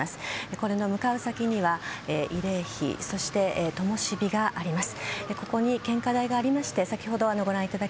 この向かう先には慰霊碑そして灯火があります。